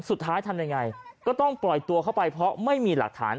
ทำยังไงก็ต้องปล่อยตัวเข้าไปเพราะไม่มีหลักฐาน